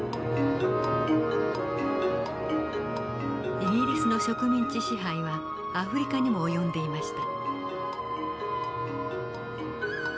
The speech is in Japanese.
イギリスの植民地支配はアフリカにも及んでいました。